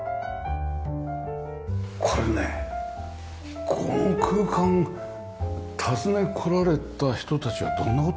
これねこの空間訪ね来られた人たちはどんな事を言いますか？